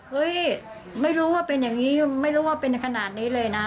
เฮ้ยไม่รู้ว่าเป็นอย่างนี้ไม่รู้ว่าเป็นขนาดนี้เลยนะ